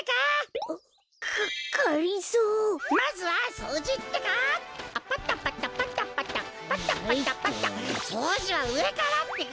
そうじはうえからってか！